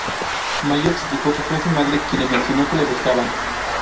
Mayo explicó que fue su madre quien le mencionó que le buscaban.